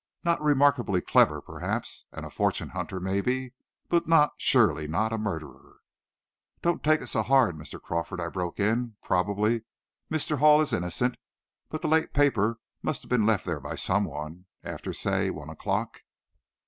Not remarkably clever, perhaps, and a fortune hunter, maybe, but not surely not a murderer!" "Don't take it so hard, Mr. Crawford," I broke in. "Probably. Mr. Hall is innocent. But the late paper must have been left there by some one, after, say, one o'clock."